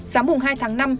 sáng hai tháng năm